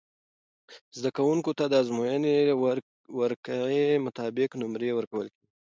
زده کوونکو ته د ازموينې ورقعی مطابق نمرې ورکول کیږی